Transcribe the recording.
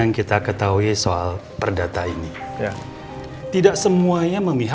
nggak aku gak nyindir